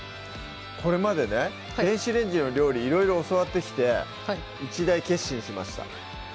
これまでね電子レンジの料理いろいろ教わってきて一大決心しました